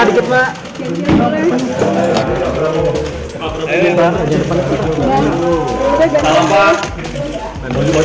dapet tuh bapak